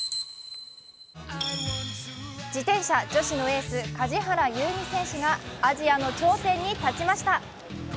自転車女子のエース梶原悠未選手がアジアの頂点に立ちました。